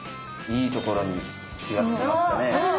いいところに気が付きましたね。